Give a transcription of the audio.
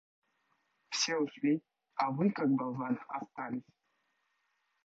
Все ушли, а Вы, как болван, остались.